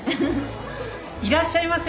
いらっしゃいませ。